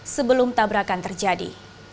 sebelum tabrakan terjadi